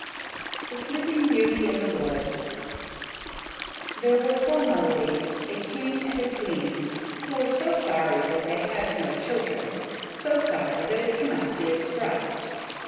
THE SLEEPING BEAUTY IN THE WOOD There were formerly a king and a queen, who were so sorry that they had no children; so sorry that it cannot be expressed.